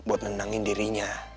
untuk menenangkan dirinya